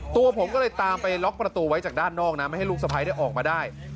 ตัวผมก็เลยตามไปล็อกประตูไว้จากด้านนอกนะไม่ให้ลูกสะพ้ายออกมาได้